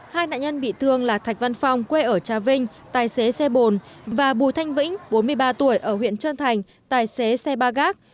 hai nạn nhân bị thương là thạch văn phong quê ở trà vinh tài xế xe bồn và bùi thanh vĩnh bốn mươi ba tuổi ở huyện trơn thành tài xế xe ba gác